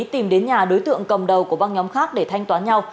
tìm đến nhà đối tượng cầm đầu của băng nhóm khác để thanh toán nhau